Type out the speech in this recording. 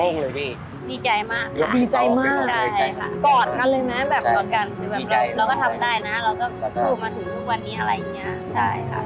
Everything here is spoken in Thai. โล่งเลยพี่มีใจมากมีใจมากกอดกันเลยไหมเราก็ทำได้นะเราก็ถูกมาถูกทุกวันนี้อะไรอย่างนี้